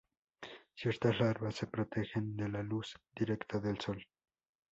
Ciertas larvas se protegen de la luz directa del sol.